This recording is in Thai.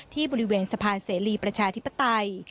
ที่บริเวณสะพานเสรีประชาธิปไตย